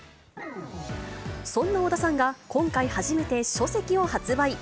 そんな小田さんが、今回初めて書籍を発売。